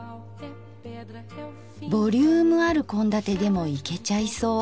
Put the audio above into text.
ボリュームある献立でもいけちゃいそう。